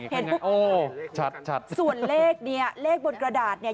เห็นปุ๊บส่วนเลขเนี่ยเลขบนกระดาษเนี่ย